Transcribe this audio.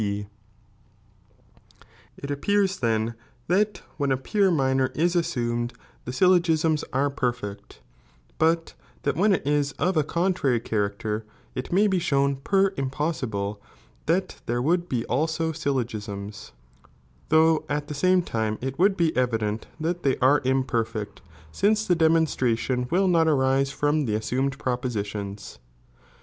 ca*p. XT. It appears tlien that when a pure miaor is aaaumed the syl logisms are perl'ect, but that when it is of a contrary charac ter it may be shown per impossibile that there would he also sjBogisiDs, though at the same time it would be evidt'ot that they are ImperiL ct, since the demonstration will not arise from the issnmed propoKi lions.